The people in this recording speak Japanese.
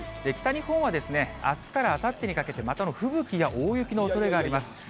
北日本は、あすからあさってにかけて、また吹雪や大雪のおそれがあります。